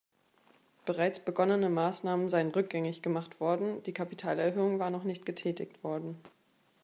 Bereits begonnene Maßnahmen seien rückgängig gemacht worden, die Kapitalerhöhung war noch nicht getätigt worden.